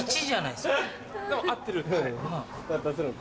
でも合ってるんで。